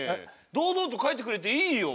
堂々と描いてくれていいよ。